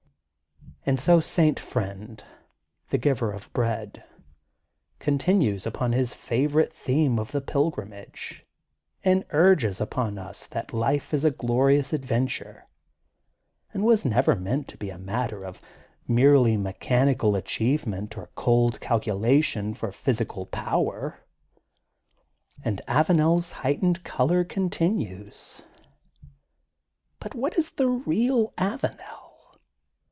'* And so St. Friend, the Giver of Bread, continues upon his favorite theme of ^*The Pilgrimage" and urges upon us that life is a glorious adventure and was never meant to be a matter of merely mechani cal achievement or cold calculation for physi cal power. And AvanePs heightened color continues., But what is the real Avanel?